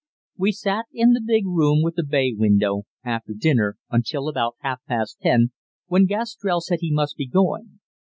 We sat in the big room with the bay window, after dinner, until about half past ten, when Gastrell said he must be going.